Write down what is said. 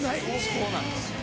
そうなんですよ。